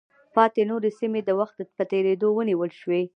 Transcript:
پاتې نورې سیمې د وخت په تېرېدو ونیول شوې.